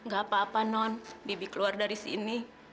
gak apa apa non bibi keluar dari sini